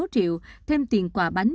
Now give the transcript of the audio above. một mươi sáu triệu thêm tiền quà bánh